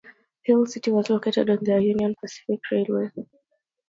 Hill City was located on the Union Pacific Railway.